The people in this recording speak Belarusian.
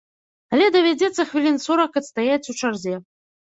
Але давядзецца хвілін сорак адстаяць у чарзе.